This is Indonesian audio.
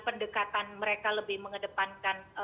pendekatan mereka lebih mengedepankan